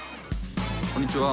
こんにちは。